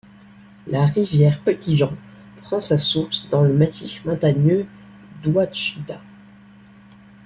La rivière Petit Jean prend sa source dans le massif montagneux d'Ouachita.